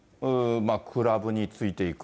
クラブについていく。